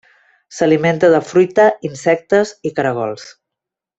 S'alimenta de fruita, insectes i caragols.